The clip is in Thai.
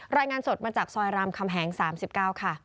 รายงานสดมาจากซอยรามคำแหงสามสิบเก้าค่ะ